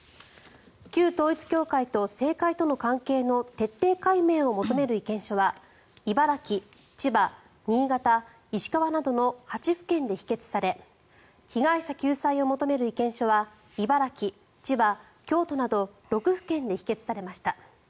旧統一教会と政界との関係の徹底解明を求める意見書は茨城、千葉、新潟、石川などの８府県で否決され被害者救済を求める意見書は茨城、千葉、京都など６府県で否決されました。